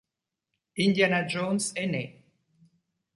Indiana Jones est né.